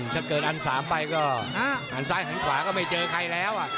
ถ้าเกิดอัน๓ไปก็หันซ้ายหันขวาก็ไม่เจอใครแล้ว